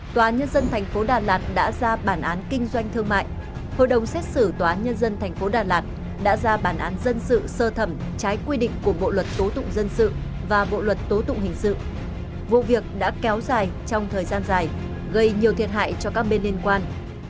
tòa nhân dân thành phố đà lạt đã ra bản án kinh doanh thương mại hội đồng xét xử tòa nhân dân thành phố đà lạt đã ra bản án dân sự sơ thẩm trái quy định của bộ luật tố tụng dân sự và bộ luật tố tụng hình sự vụ việc đã kéo dài trong thời gian dài gây nhiều thiệt hại cho các bên liên quan